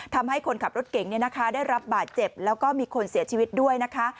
ทำให้คนขับรถเก่งได้รับบาดเจ็บแล้วก็มีคนเสียชีวิตด้วยนะคะ